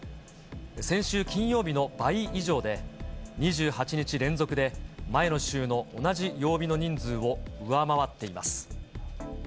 先週金曜日の倍以上で、２８日連続で前の週の同じ曜日の人数を上回っています。